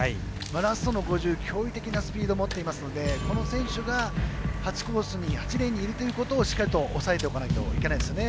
ラストの５０、驚異的なスピードを持っていますのでこの選手が８レーンにいるということをしっかりと抑えておいておかないといけないですね。